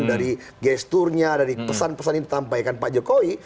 dari gesturnya dari pesan pesan yang ditampaikan pak jokowi